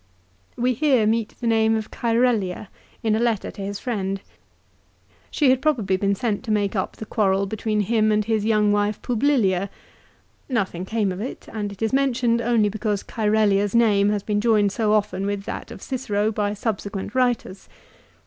We here meet the name of Cserellia, in a letter to his friend. She had probably been sent to make up the quarrel between him and his young wife Publilia. Nothing came of it, and it is mentioned only because Cserellia's name has been joined so often with that of Cicero by subsequent writers.